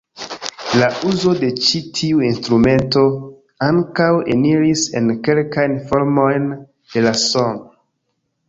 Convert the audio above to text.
La uzo de ĉi tiu instrumento ankaŭ eniris en kelkajn formojn de la "son".